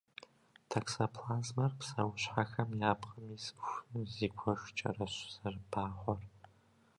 Токсоплазмэр псэущхьэхэм я пкъым исыху зигуэшкӏэрэщ зэрыбагъуэр.